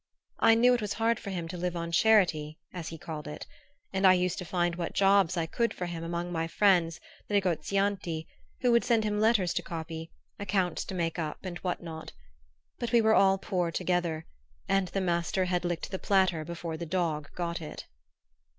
I knew it was hard for him to live on charity, as he called it, and I used to find what jobs I could for him among my friends the negozianti, who would send him letters to copy, accounts to make up and what not; but we were all poor together, and the master had licked the platter before the dog got it.